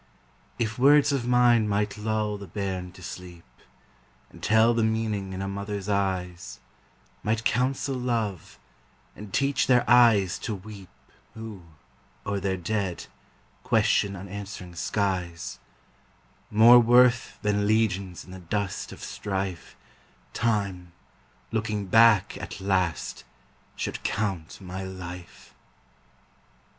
If words of mine might lull the bairn to sleep, And tell the meaning in a mother's eyes; Might counsel love, and teach their eyes to weep Who, o'er their dead, question unanswering skies, More worth than legions in the dust of strife, Time, looking back at last, should count my life.